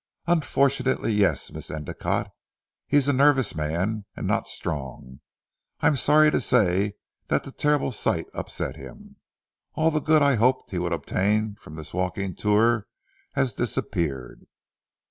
"Unfortunate yes Miss Endicotte. He is a nervous man, and not strong. I am sorry to say that the terrible sight upset him. All the good I hoped he would obtain from this walking tour has disappeared."